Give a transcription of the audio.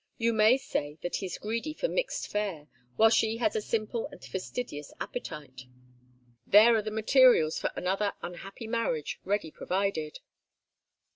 You may say that he's greedy for mixed fare, while she has a simple and fastidious appetite. There are the materials for another unhappy marriage ready provided."